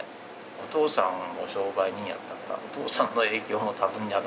お父さんも商売人やったからお父さんの影響も多分にあるのかな？